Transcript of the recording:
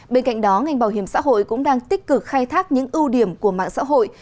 bên cạnh đó ngành bảo hiểm xã hội cũng đang tích cực khai thác những ưu điểm của mạng xã hội